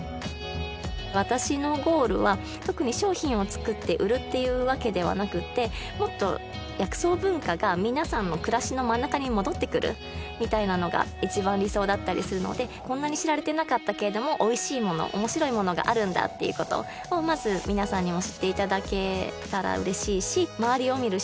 私のゴールは特に商品を作って売るっていうわけではなくてもっと薬草文化が皆さんの暮らしの真ん中に戻ってくるみたいなのが一番理想だったりするのでこんなに知られてなかったけれどもおいしいもの面白いものがあるんだっていうことをまず皆さんにも知っていただけたら嬉しいし周りを見る